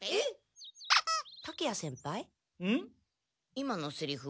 今のセリフ